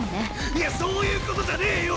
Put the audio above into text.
いやそういうことじゃねぇよ！